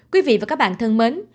quý vị và các bạn thân mến